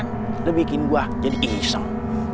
itu bikin gue jadi ihisong